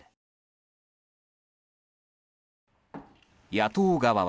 野党側は。